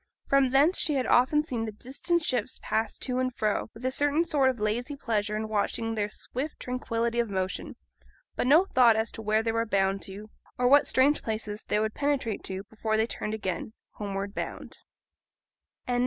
From thence she had often seen the distant ships pass to and fro, with a certain sort of lazy pleasure in watching their swift tranquillity of motion, but no thought as to where they were bound to, or what strange places they would penetrate to before they turned again, homeward bound.